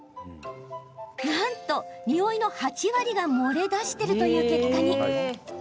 なんと、においの８割が漏れ出してる結果に。